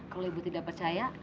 kalau ibu tidak percaya